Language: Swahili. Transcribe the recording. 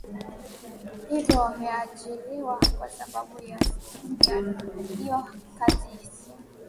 hivyo wameajiriwa kwa sababu ya hiyo kazi so